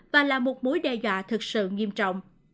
và là một mối đe dọa thực sự nghiêm trọng